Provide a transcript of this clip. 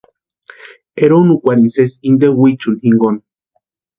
Eronukwarhini sési inte wichuni jinkoni.